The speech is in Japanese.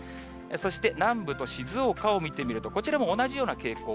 そして南部と静岡を見てみると、こちらも同じような傾向。